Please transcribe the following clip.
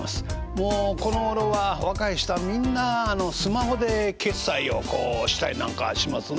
もうこのごろは若い人はみんなあのスマホで決済をこうしたりなんかしますね。